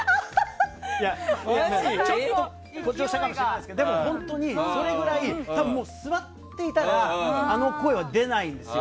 誇張したかもしれないですけどでも本当にそれぐらい座っていたらあの声は出ないんですよ。